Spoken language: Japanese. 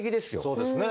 そうですね。